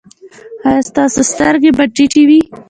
ایا ستاسو سترګې به ټیټې وي؟